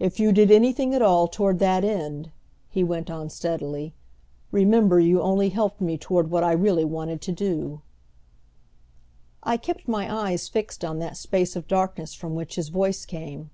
"If you did anything at all toward that end," he went on steadily, "remember you only helped me toward what I really wanted to do." I kept my eyes fixed on that space of darkness from which his voice came.